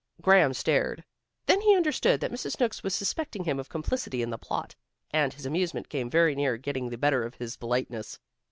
Graham stared. Then he understood that Mrs. Snooks was suspecting him of complicity in the plot, and his amusement came very near getting the better of his politeness.